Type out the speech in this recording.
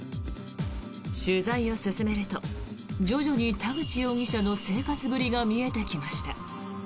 取材を進めると徐々に田口容疑者の生活ぶりが見えてきました。